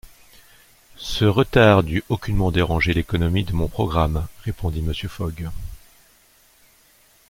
Ce retard n’eût aucunement dérangé l’économie de mon programme, répondit Mr. Fogg.